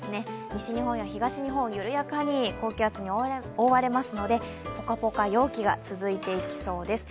西日本や東日本、緩やかに高気圧に覆われますのでポカポカ陽気が続いていきそうです。